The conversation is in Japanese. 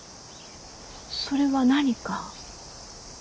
それは何か。